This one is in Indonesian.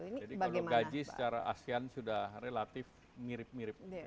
jadi kalau gaji secara asean sudah relatif mirip mirip